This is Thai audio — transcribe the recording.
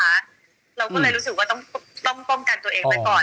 เราก็เลยรู้สึกว่าต้องป้องกันตัวเองไปก่อน